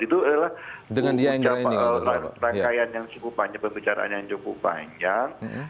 itu adalah rangkaian yang cukup panjang pembicaraan yang cukup panjang